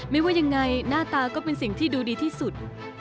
ไม่ว่ายังไงหน้าตาก็เป็นสิ่งที่ดูดีที่สุด